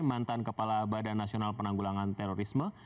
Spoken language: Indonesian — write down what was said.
mantan kepala badan nasional penanggulangan terorisme